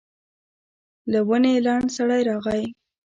له ونې لنډ سړی راغی.